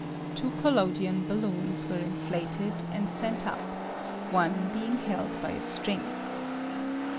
[Two collodion balloons were inflated I and sent up, one being held by a string.